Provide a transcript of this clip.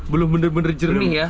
belum bener bener jernih ya